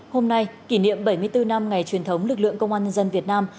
hôm nay kỷ niệm bảy mươi bốn năm ngày truyền thống lực lượng công an nhân dân việt nam